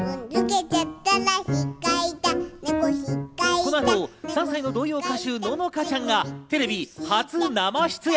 この後、３歳の童謡歌手・乃々佳ちゃんがテレビ初生出演。